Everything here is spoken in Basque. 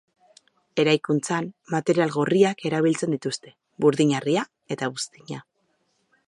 Eraikuntzan material gorriak erabiltzen dituzte: burdin-harria eta buztina.